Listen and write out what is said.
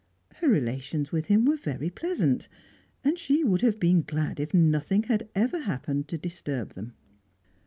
Her relations with him were very pleasant, and she would have been glad if nothing had ever happened to disturb them.